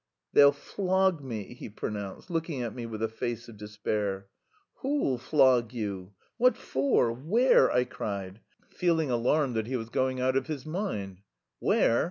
"They'll flog me," he pronounced, looking at me with a face of despair. "Who'll flog you? What for? Where?" I cried, feeling alarmed that he was going out of his mind. "Where?